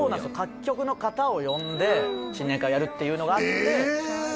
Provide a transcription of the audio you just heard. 各局の方を呼んで新年会やるっていうのがあってええ